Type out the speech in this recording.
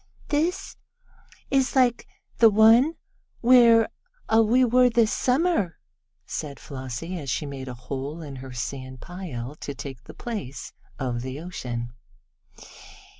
"This is like the one where we were this Summer," said Flossie, as she made a hole in her sand pile to take the place of the ocean.